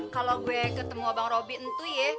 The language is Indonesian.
kalau gue ketemu abang robi ntuh ya